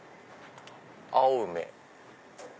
「青梅」。